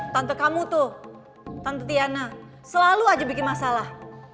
tante kamu tuh tante tiana selalu aja bikin masalah